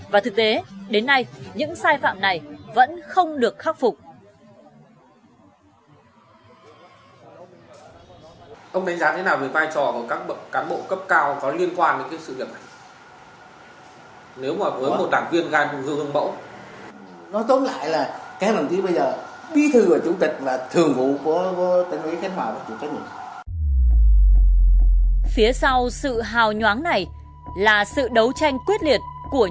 và thực tế đến nay những sai phạm này vẫn không được khắc phục